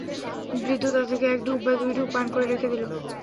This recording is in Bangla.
বৃদ্ধ তা থেকে এক ঢোক বা দুই ঢোক পান করে রেখে দিল।